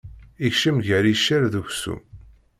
Ikcem gar iccer d uksum.